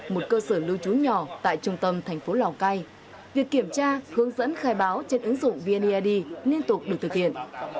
một cơ sở lưu trú nhỏ tại trung tâm thành phố lào cai việc kiểm tra hướng dẫn khai báo trên ứng dụng vneid liên tục được thực hiện